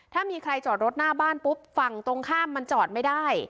ถ้ามีใครจอดรถหน้าบ้านปุ๊บฝั่งตรงข้ามมันจอดไม่ได้